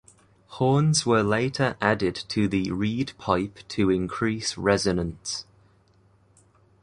Horns were later added to the reed pipe to increase resonance.